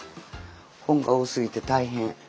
本が多すぎて大変。